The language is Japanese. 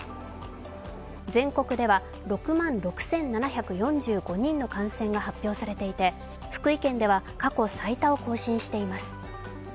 全国では６万６７４５人の感染が発表されていて福井県では過去最多を更新しています。